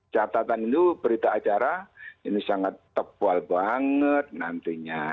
catatan itu berita acara ini sangat tebal banget nantinya